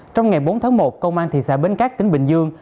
trong ngày bốn tháng một công an thị xã bến cát tỉnh bình dương